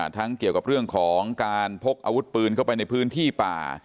เกี่ยวกับเรื่องของการพกอาวุธปืนเข้าไปในพื้นที่ป่า